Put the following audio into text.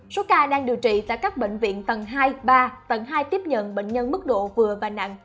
số ca đang điều trị tại các bệnh viện tầng hai ba tầng hai tiếp nhận bệnh nhân mức độ vừa và nặng